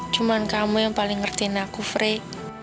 cuman kamu yang paling ngertiin aku frey